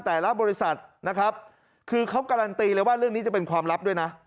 แต่ละบริษัทนะครับคือเขาการันตีเลยว่าเรื่องนี้จะเป็นความลับด้วยนะ